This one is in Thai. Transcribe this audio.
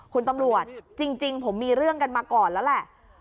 คุณตำรวจจริงผมมีเรื่องกันมาก่อนแล้วแหละ